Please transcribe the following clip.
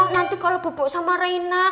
nanti kalau bu bu sama reina